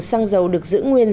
xăng dầu được giữ nguyên